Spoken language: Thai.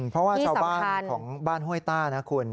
เพราะว่าชาวบ้านของบ้านห้วยต้านะคุณ